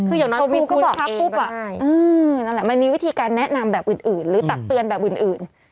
คืออย่างนั้นคุณก็บอกเองว่าเออมนั่นแหละมันมีวิธีคุณแนะนำแบบอื่นหรือตัดเตือนแบบอื่น